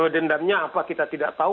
dendamnya apa kita tidak tahu